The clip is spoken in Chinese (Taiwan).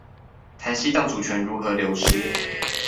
談西藏主權如何流失